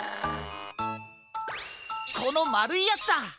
このまるいヤツだ！